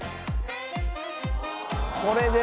これで。